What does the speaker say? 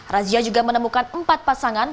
razia juga menemukan empat pasangan